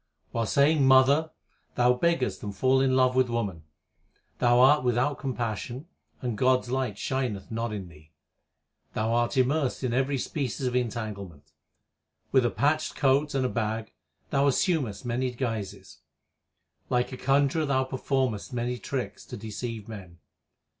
While saying Mother , thou beggest and fallest in love with woman. Thou art without compassion and God s light shineth not in thee. Thou art immersed in every species of entanglement. With a patched coat and a bag thou assumest many guises. Likeaconjurer thouperformest manytricks to deceive men.